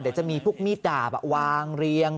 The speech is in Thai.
เดี๋ยวจะมีพวกมีดดาบวางเรียง